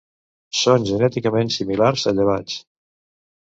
Són genèticament similars a llevats.